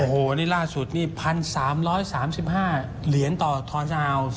โอ้โหนี่ล่าสุดนี่๑๓๓๕เหรียญต่อทอนซาฮาวส์